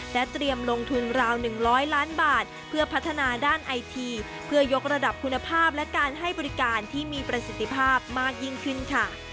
และเตรียมลงทุนราว๑๐๐ล้านบาทเพื่อพัฒนาด้านไอทีเพื่อยกระดับคุณภาพและการให้บริการที่มีประสิทธิภาพมากยิ่งขึ้นค่ะ